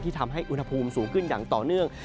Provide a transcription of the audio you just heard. ทำให้อุณหภูมิสูงขึ้นอย่างต่อเนื่อง